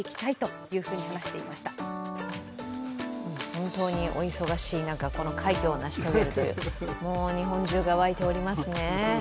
本当にお忙しい中、この快挙を成し遂げるというもう日本中が沸いておりますね。